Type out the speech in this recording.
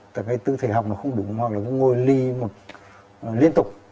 tại cái tư thế học nó không đủ hoặc là ngồi ly liên tục